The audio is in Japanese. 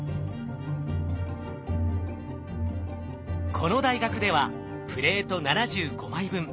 この大学ではプレート７５枚分。